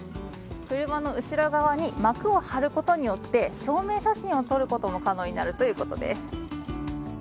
車の後ろ側に幕を張ることによって証明写真を撮ることも可能になるということです。